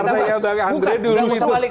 nggak usah balik